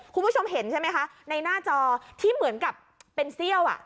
คุณผู้ชมเห็นใช่ไหมคะในหน้าจอที่เหมือนกับเป็นเซี่ยวอ่ะ